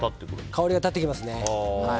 香りが立ってきますね。